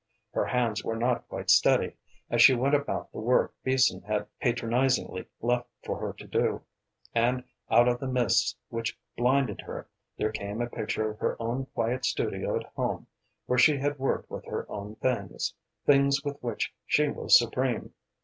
Her hands were not quite steady, as she went about the work Beason had patronisingly left for her to do, and out of the mists which blinded her there came a picture of her own quiet studio at home, where she had worked with her own things, things with which she was supreme.